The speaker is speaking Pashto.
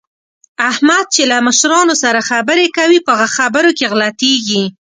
احمد چې کله له مشرانو سره خبرې کوي، په خبرو کې غلطېږي